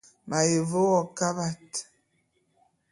M’aye ve wo kabat.